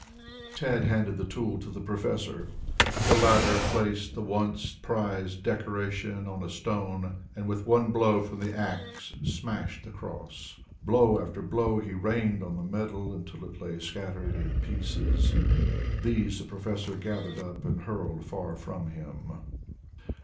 Tad handed the tool to the professor. The latter placed the once prized decoration on a stone and with one blow from the axe smashed the cross. Blow after blow he rained on the medal until it lay scattered in pieces. These the professor gathered up and hurled far from him.